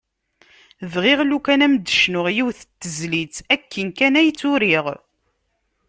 Bɣiɣ lukan ad m-d-cnuɣ yiwet n tezlit akken kan i tt-uriɣ.